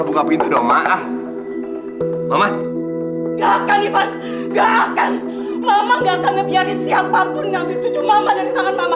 nggak akan pernah iman